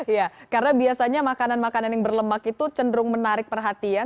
iya karena biasanya makanan makanan yang berlemak itu cenderung menarik perhatian